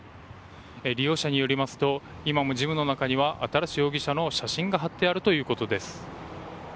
利用者によりますと今もジムの中には新容疑者の写真が貼ってあるということです。